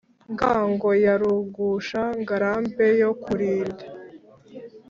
ngango ya rugusha, ngarambe yo kulinda,